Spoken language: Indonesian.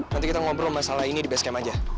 nanti kita ngobrol masalah ini di base camp aja